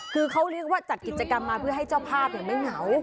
คือเขาเรียกว่าจัดกิจกรรมมาเพื่อให้เจ้าภาพไม่เหงา